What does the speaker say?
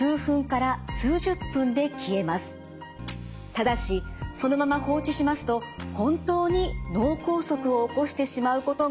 ただしそのまま放置しますと本当に脳梗塞を起こしてしまうことがあるんです。